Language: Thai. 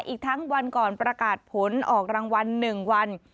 อีกทั้งวันก่อนประกาศผลออกรางวัล๑วัน